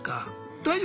大丈夫？